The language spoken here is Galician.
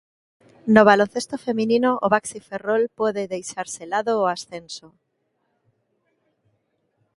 No baloncesto feminino, o Baxi Ferrol pode deixar selado o ascenso.